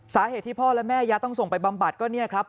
สาเหตุที่พ่อและแม่ยาต้องส่งไปบำบัดก็เนี่ยครับ